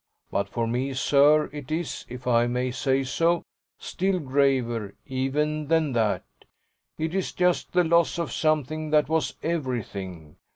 But for me, sir, it is, if I may say so, still graver even than that: it's just the loss of something that was everything.